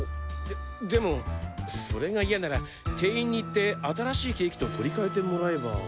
ででもそれが嫌なら店員に言って新しいケーキと取りかえてもらえば。